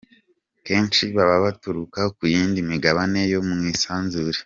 Kenshi baba baturuka ku yindi migabane yo mu isanzure.